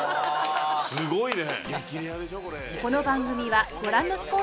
すごいね。